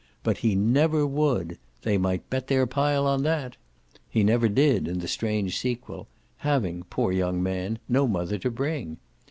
BUT HE NEVER WOULD they might bet their pile on that! He never did, in the strange sequel having, poor young man, no mother to bring.